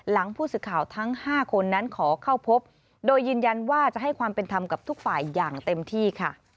หลังผู้สื่อข่าวทั้ง๕คนนั้นขอเข้าพบโดยยืนยันว่าจะให้ความเป็นธรรมกับทุกฝ่ายอย่างเต็มที่ค่ะ